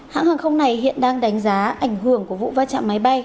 hãng hàng không này hiện đang đánh giá ảnh hưởng của vụ va chạm máy bay